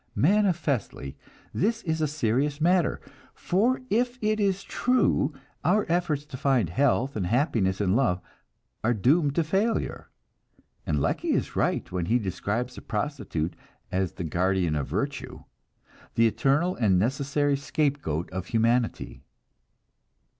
Manifestly, this is a serious matter; for if it is true, our efforts to find health and happiness in love are doomed to failure, and Lecky is right when he describes the prostitute as the "guardian of virtue," the eternal and necessary scapegoat of humanity.